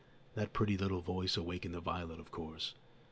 That pretty little voice awakened the violet, of course.